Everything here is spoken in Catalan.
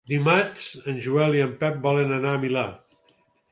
Dimarts en Joel i en Pep volen anar al Milà.